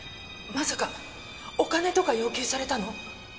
まさかお金とか要求されたの？